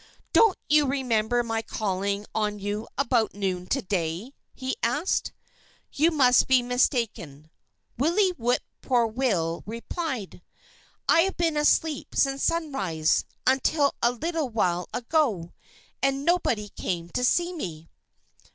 "Don't you remember my calling on you about noon to day?" he asked. "You must be mistaken," Willie Whip poor will replied. "I've been asleep since sunrise until a little while ago. And nobody came to see me."